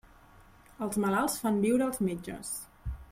Els malalts fan viure els metges.